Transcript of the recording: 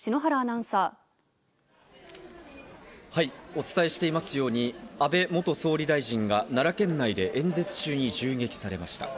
お伝えしていますように安倍元総理大臣が奈良県内で演説中に銃撃されました。